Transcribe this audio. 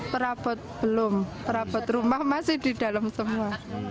perabot belum perabot rumah masih di dalam semua